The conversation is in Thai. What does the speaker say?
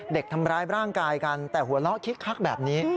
เด็กทำร้ายร่างกายกันแต่หัวเราะคิกคักแบบนี้